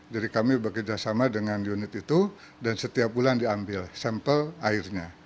jadi kami bekerjasama dengan unit itu dan setiap bulan diambil sampel airnya